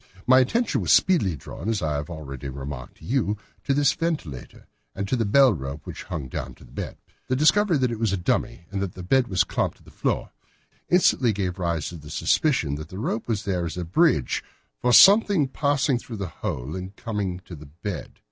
My attention was speedily drawn, as I have already remarked to you, to this ventilator, and to the bell rope which hung down to the bed. The discovery that this was a dummy, and that the bed was clamped to the floor, instantly gave rise to the suspicion that the rope was there as a bridge for something passing through the hole and coming to the bed.